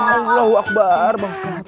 allahu akbar bang ustaz